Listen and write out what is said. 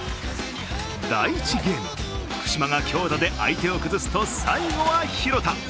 第１ゲーム、福島が強打で相手を崩すと最後は廣田。